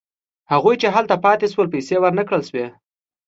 هغوی چې هلته پاتې شول پیسې ورنه کړل شوې.